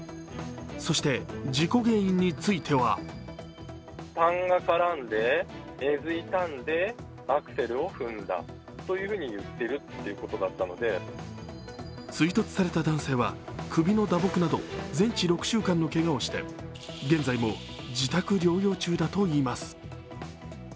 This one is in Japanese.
そして、事故原因については追突された男性は首の打撲など全治６週間のけがをして現在も自宅療養中だといいます。